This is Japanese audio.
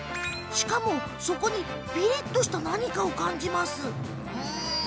しかも、そこにピリっとした何かを感じます。